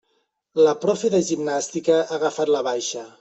La profe de gimnàstica ha agafat la baixa.